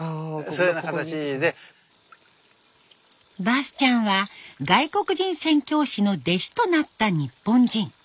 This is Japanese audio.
バスチャンは外国人宣教師の弟子となった日本人。